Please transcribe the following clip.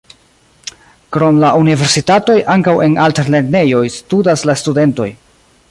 Krom la universitatoj ankaŭ en altlernejoj studas la studentoj.